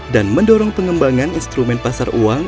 dan mendorong pengembangan instrumen pasar uang